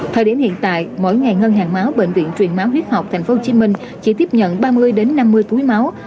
thời điểm hiện tại mỗi ngày ngân hàng máu bệnh viện truyền máu huyết học tp hcm chỉ tiếp nhận ba mươi năm mươi túi máu